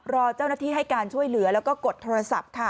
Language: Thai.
รอเจ้าหน้าที่ให้การช่วยเหลือแล้วก็กดโทรศัพท์ค่ะ